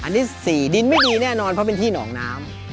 อันนี้๔ดินไม่ดีแน่นอนเพราะเป็นที่หนองน้ำ